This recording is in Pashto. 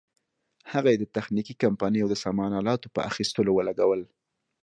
هغه یې د تخنیکي کمپنیو د سامان الاتو په اخیستلو ولګول.